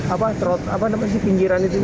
apa namanya si pinggiran itu